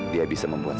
dia bisa membuat